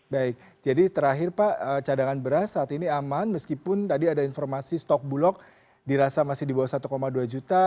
baik jadi terakhir pak cadangan beras saat ini aman meskipun tadi ada informasi stok bulog dirasa masih di bawah satu dua juta